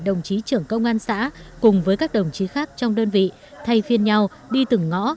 đồng chí trưởng công an xã cùng với các đồng chí khác trong đơn vị thay phiên nhau đi từng ngõ